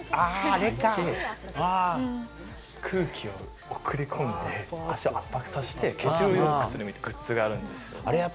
履いて、空気を送り込んんで、足を圧迫させて、血流をよくするグッズがあるんですよ。